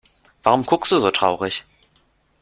Warum guckst du so traurig?